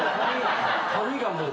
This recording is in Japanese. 髪がもう。